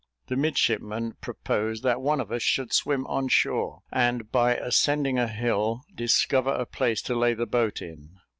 The midshipman proposed that one of us should swim on shore, and, by ascending a hill, discover a place to lay the boat in.